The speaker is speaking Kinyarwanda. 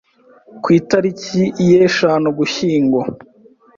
Ku itariki ya eshanu Ugushyingo